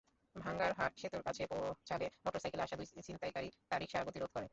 ভাঙ্গারহাট সেতুর কাছে পৌঁছালে মোটরসাইকেলে আসা দুই ছিনতাইকারী তাঁর রিকশার গতিরোধ করে।